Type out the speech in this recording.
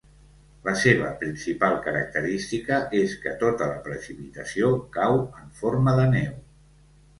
La seva principal característica és que tota la precipitació cau en forma de neu.